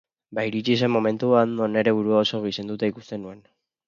Ba iritsi zen momentu bat non nere burua oso gizenduta ikusten nuen.